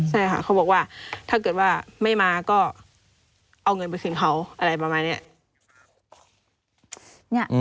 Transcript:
ใช่ค่ะเขาบอกว่าถ้าเกิดว่าไม่มาก็เอาเงินไปคืนเขาอะไรประมาณนี้